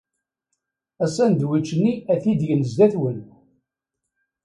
Asandwič-nni ad t-id-gen sdat-wen.